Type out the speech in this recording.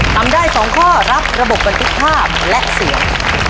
ทำได้๒ข้อรับระบบบันทึกภาพและเสียง